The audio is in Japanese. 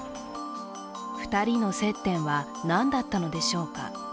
２人の接点は何だったのでしょうか。